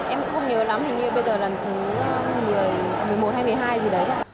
em cũng không nhớ lắm hình như bây giờ là tháng một mươi một hay một mươi hai gì đấy